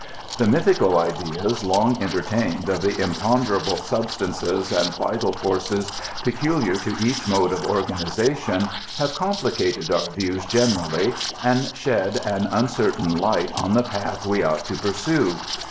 The mythical ideas long entertained of the imponderable substances and vital forces peculiar to each mode of organiza tion, have complicated our views generally, and shed an un certain light on the path we ought to pursue.